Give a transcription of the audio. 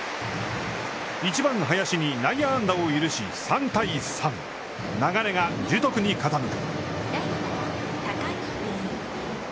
１番の林に内野安打を許し３対３流れが樹徳に傾く。